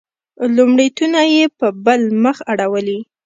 لومړیتونه یې په بل مخ اړولي.